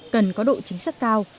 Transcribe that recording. cần có độ chính xác cao